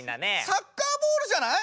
サッカーボールじゃない？